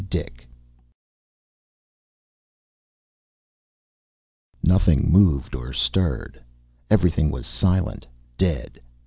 DICK _Nothing moved or stirred. Everything was silent, dead.